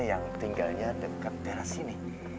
yang tinggalnya dekat teras ini